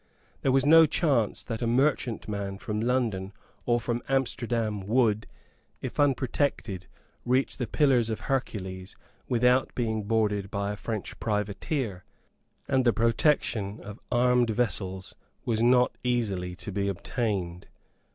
There was no chance that a merchantman from London or from Amsterdam would, if unprotected, reach the Pillars of Hercules without being boarded by a French privateer; and the protection of armed vessels was not easily to be obtained.